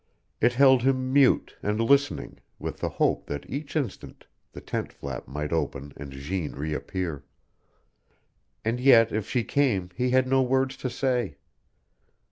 It held him mute and listening, with the hope that each instant the tent flap might open and Jeanne reappear. And yet if she came he had no words to say.